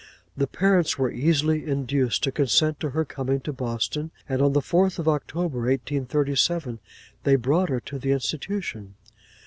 The parents were easily induced to consent to her coming to Boston, and on the 4th of October, 1837, they brought her to the Institution.